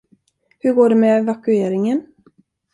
Hur går det med evakueringen?